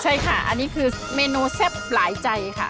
ใช่ค่ะอันนี้คือเมนูแซ่บหลายใจค่ะ